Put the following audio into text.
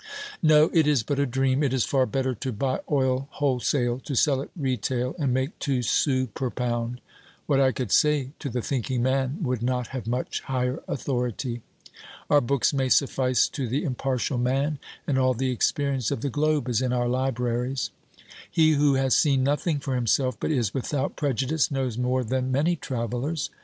No, it is but a dream ; it is far better to buy oil wholesale, to sell it retail and make two sous per pound. What I 302 OBERMANN could say to the thinking man would not have much higher authority. Our books may suffice to the impartial man, and all the experience of the globe is in our libraries. He who has seen nothing for himself, but is without preju dice, knows more than many travellers.